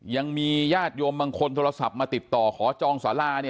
ยังมีญาติโยมบางคนโทรศัพท์มาติดต่อขอจองสารา